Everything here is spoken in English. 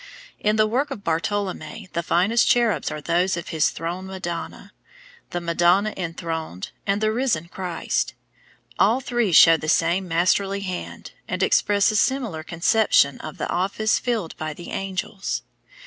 In the work of Bartolommeo the finest cherubs are those of his Throne Madonna, the Madonna Enthroned, and the Risen Christ. All three show the same masterly hand, and express a similar conception of the office filled by the angels.